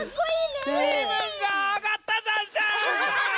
きぶんがあがったざんす！